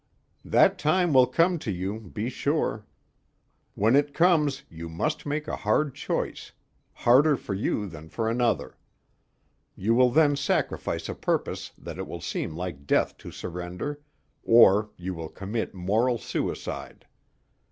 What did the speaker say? That time will come to you, be sure. When it comes you must make a hard choice harder for you than for another. You will then sacrifice a purpose that it will seem like death to surrender or you will commit moral suicide!